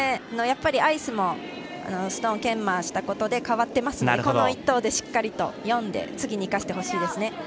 アイスもストーンを研磨したことで変わっていますのでこの一投でしっかりと読んで次に生かしてほしいですね。